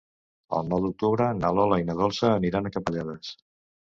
El nou d'octubre na Lola i na Dolça aniran a Capellades.